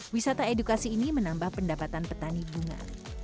wisata edukasi ini menambah pendapatan petani bunga